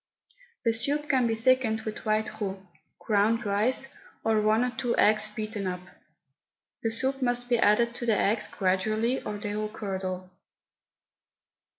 The soup can be thickened with white roux, ground rice, or one or two eggs beaten up. The soup must be added to the eggs gradually or they will curdle.